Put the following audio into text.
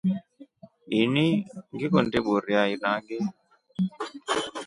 Ini ngikundi iburia nage.